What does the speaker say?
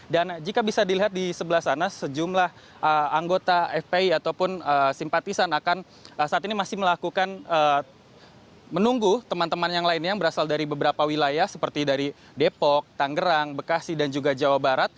dan jika bisa dilihat di sebelah sana sejumlah anggota fpi ataupun simpatisan akan saat ini masih melakukan menunggu teman teman yang lainnya yang berasal dari beberapa wilayah seperti dari depok tanggerang bekasi dan juga jawa baru